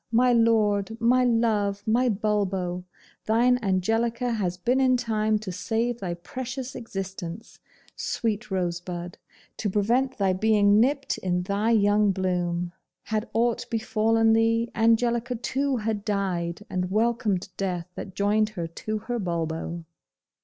my lord! my love! my Bulbo! Thine Angelica has been in time to save thy precious existence, sweet rosebud; to prevent thy being nipped in thy young bloom! Had aught befallen thee, Angelica too had died, and welcomed death that joined her to her Bulbo.